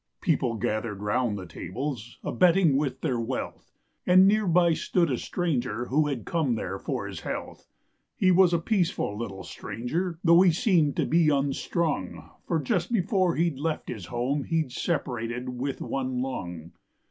People gathered round the tables, a betting with their wealth, And near by stood a stranger who had come there for his health. He was a peaceful little stranger though he seemed to be unstrung; For just before he'd left his home he'd separated with one lung.